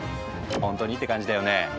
ほんとに？って感じだよね。